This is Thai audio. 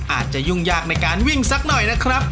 อาจจะยุ่งยากในการวิ่งสักหน่อยนะครับ